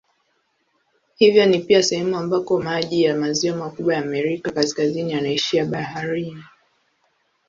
Hivyo ni pia sehemu ambako maji ya maziwa makubwa ya Amerika Kaskazini yanaishia baharini.